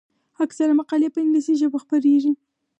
اکثره مقالې په انګلیسي ژبه خپریږي.